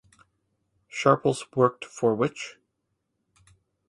Sharples worked for Which?